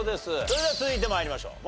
それでは続いて参りましょう。